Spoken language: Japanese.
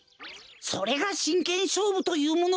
それがしんけんしょうぶというもの。